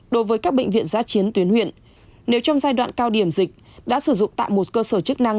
đối với các bệnh viện giá chiến tuyến huyện nếu trong giai đoạn cao điểm dịch đã sử dụng tại một cơ sở chức năng